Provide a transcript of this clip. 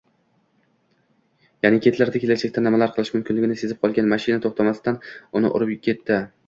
Yaʼni Gitlerni kelajakda nimalar qilishi mumkinligini sezib qolgan mashina toʻxtamasdan uni urib ketdi.